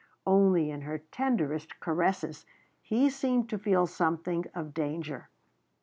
Only, in her tenderest caresses he seemed at last to feel something of danger.